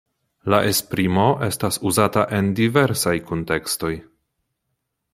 La esprimo estas uzata en diversaj kuntekstoj.